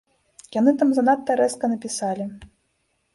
Яны там занадта рэзка напісалі.